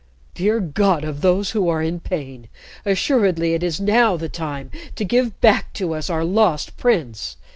"Dear God of those who are in pain, assuredly it is now the time to give back to us our Lost Prince!"